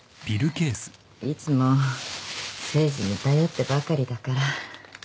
いつも誠治に頼ってばかりだから。